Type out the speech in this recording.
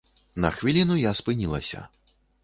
На хвіліну я спынілася.